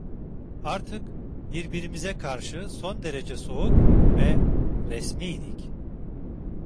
Artık birbirimize karşı son derece soğuk ve resmiydik.